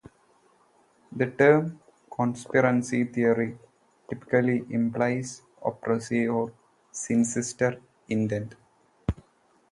The term "conspiracy theory" typically implies oppressive or sinister intent.